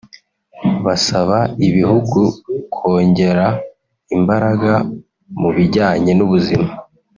basaba ibihugu kongera imbaraga mu bijyanye n’ubuzima